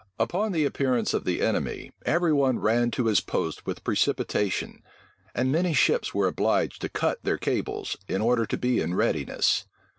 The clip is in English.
Upon the appearance of the enemy, every one ran to his post with precipitation; and many ships were obliged to cut their cables, in order to be in readiness.